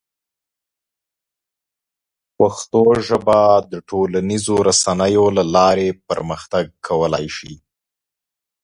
پښتو ژبه د ټولنیزو رسنیو له لارې پرمختګ کولی شي.